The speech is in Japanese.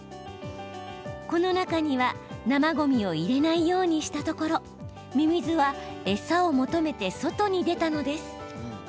この中には、生ごみを入れないようにしたところミミズは餌を求めて外に出たのです。